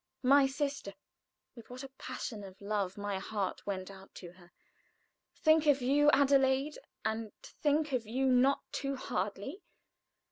My sister! with what a passion of love my heart went out to her. Think of you, Adelaide, and think of you not too hardly?